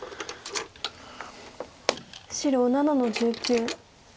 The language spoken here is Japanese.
白７の十九。